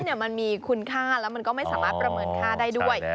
มันมีคุณค่าแล้วมันก็ไม่สามารถประเมินค่าได้ด้วย